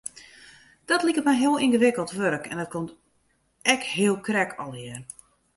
Dat liket my heel yngewikkeld wurk en dat komt ek heel krekt allegear.